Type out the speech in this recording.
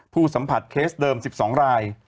ผู้สัมผัสเคสเดิม๑๒ราย